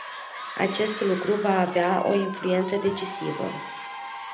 Acest lucru va avea o influență decisivă.